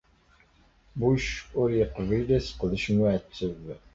Bush ur yeqbil asseqdec n uɛetteb.